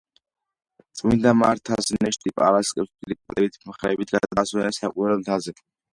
წმინდა მართას ნეშტი პარასკევს დიდი პატივით მხრებით გადაასვენეს საკვირველ მთაზე.